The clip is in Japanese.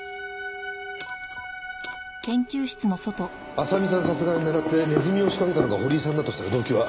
麻美さん殺害を狙ってネズミを仕掛けたのが堀井さんだとしたら動機は？